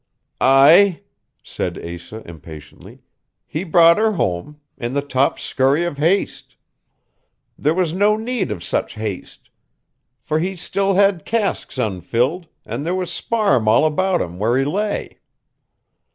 "Aye," said Asa impatiently. "He brought her home in the top scurry of haste. There was no need of such haste; for he had still casks unfilled, and there was sparm all about him where he lay.